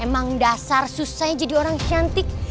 emang dasar susahnya jadi orang cantik